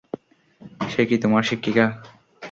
সে কি তোমার শিক্ষিকা?